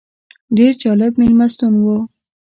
ډېر جالب مېلمستون و.